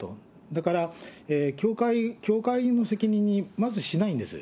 だから、教会の責任にまずしないんです。